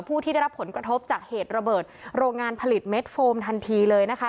ผู้ที่ได้รับผลกระทบจากเหตุระเบิดโรงงานผลิตเม็ดโฟมทันทีเลยนะคะ